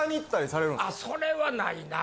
それはないな。